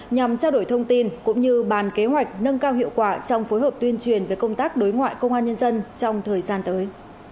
nhằm trao đổi thông tin cũng như bàn kế hoạch nâng cao hiệu quả trong phối hợp tuyên truyền về công tác đối ngoại công an nhân dân trong thời gian tới